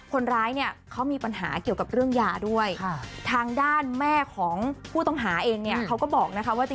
คนร้ายเนี่ยเขามีปัญหาเกี่ยวกับเรื่องยาด้วยทางด้านแม่ของผู้ต้องหาเองเนี่ยเขาก็บอกนะคะว่า